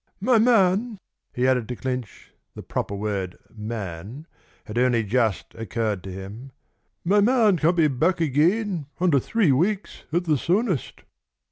"My man," he added to clinch the proper word "man" had only just occurred to him "my man can't be back again under three weeks at the soonest."